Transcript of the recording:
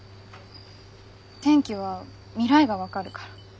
天気は未来が分かるから。